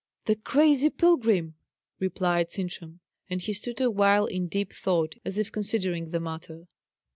"The crazy pilgrim!" replied Sintram; and he stood awhile in deep thought, as if considering the matter.